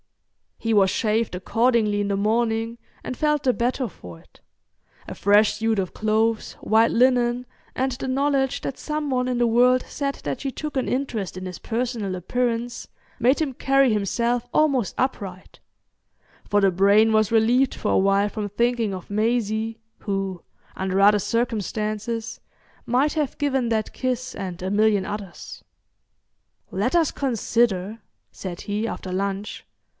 He was shaved accordingly in the morning, and felt the better for it. A fresh suit of clothes, white linen, and the knowledge that some one in the world said that she took an interest in his personal appearance made him carry himself almost upright; for the brain was relieved for a while from thinking of Maisie, who, under other circumstances, might have given that kiss and a million others. "Let us consider," said he, after lunch.